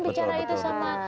bicara itu sama